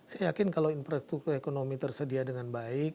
saya yakin kalau infrastruktur ekonomi tersedia dengan baik